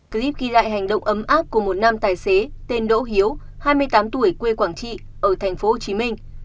clip ghi lại hành động ấm áp của một nam tài xế tên đỗ hiếu hai mươi tám tuổi quê quảng trị ở tp hcm